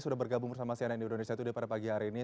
sudah bergabung bersama cnn indonesia today pada pagi hari ini